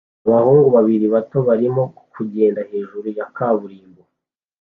Abahungu babiri bato barimo kugenda hejuru ya kaburimbo